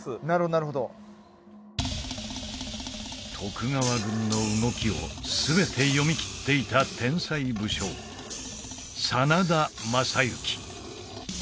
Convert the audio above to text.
なるほどなるほど徳川軍の動きを全て読み切っていた天才武将真田昌幸